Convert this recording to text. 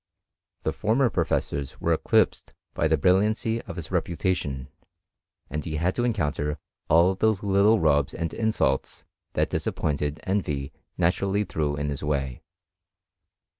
The former professors were eclipsed by tlie brilliancy of his reputation, and he had to encounter all those little rubs and insults that dis appointed envy naturally threw in his way.